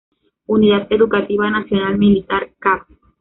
Unidad Educativa Nacional Militar Cap.